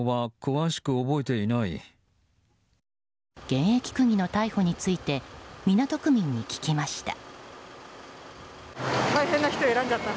現役区議の逮捕について港区民に聞きました。